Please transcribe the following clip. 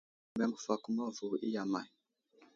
Əmay atəmeŋ məfakoma vo i iya may ?